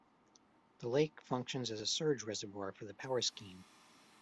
The lake functions as a surge reservoir for the power scheme.